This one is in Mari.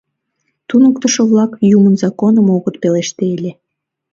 Туныктышо-влак юмын законым огыт пелеште ыле.